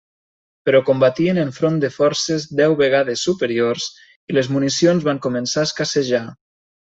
Però combatien enfront de forces deu vegades superiors i les municions van començar a escassejar.